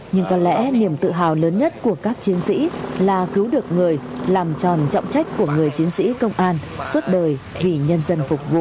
nhưng có lẽ niềm tự hào lớn nhất của các chiến sĩ là cứu được người làm tròn trọng trách của người chiến sĩ công an suốt đời vì nhân dân phục vụ